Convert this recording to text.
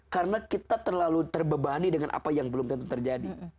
karena kita terlalu terbebani dengan apa yang belum tentu terjadi